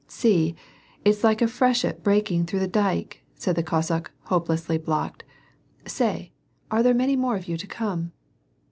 " See, it's like a freshet breaking through a dyke " said the Cossack, hopelessly blocked. '^ Say ! are there many more of you to come